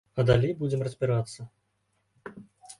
А далей будзем разбірацца.